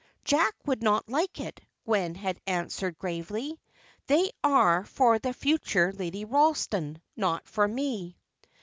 "Jack would not like it," Gwen had answered, gravely. "They are for the future Lady Ralston, not for me."